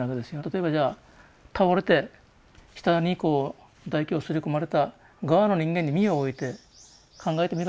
例えばじゃあ倒れて舌にこう唾液をすり込まれた側の人間に身を置いて考えてみるわけですよね。